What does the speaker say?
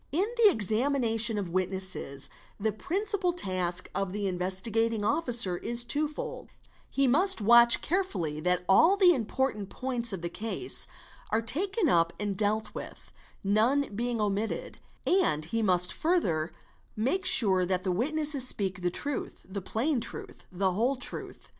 — In the examination of witnesses the principal task of the Investigat ing Officer is twofold; he must watch carefully that all the important points of the case are taken up and dealt with, none being omitted; and he must further make sure that the witnesses speak the truth, the plain truth, the whole truth.